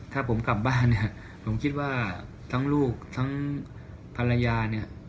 ถ้าผมกลับบ้านผมคิดว่าทั้งลูกทั้งภรรยา